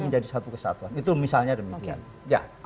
menjadi satu kesatuan itu misalnya demikian ya